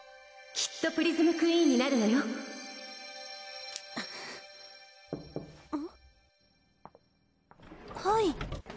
きっとプリズムクイーンになはい。